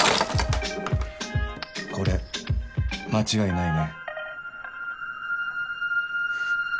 これ間違いないね？